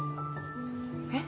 えっ？